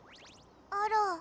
あら。